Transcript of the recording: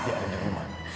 dia ada di rumah